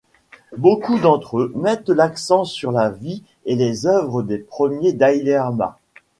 Beaucoup d'entre eux mettent l'accent sur la vie et les œuvres des premiers Dalaï-Lama.